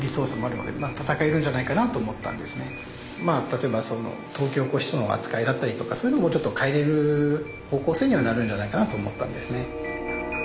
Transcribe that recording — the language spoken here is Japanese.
例えば東京拘置所の扱いだったりとかそういうのもちょっと変えれる方向性にはなるんじゃないかなと思ったんですね。